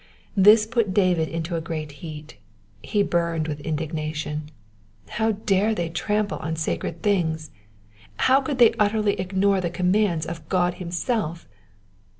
This put David into a great heat ; ho burned with indignation. How dare they trample on sacred things ! How could they utterly ignore the commandis of God himself